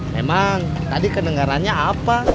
memang tadi kedengerannya apa